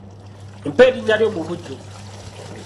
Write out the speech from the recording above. Mpa erinnya lyo mu bujjuvu